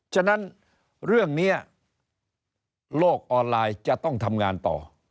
ฉะนั้นเรื่องนี้โลกออนไลน์จะต้องทำงานต่อ